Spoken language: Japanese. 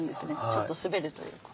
ちょっと滑るというか。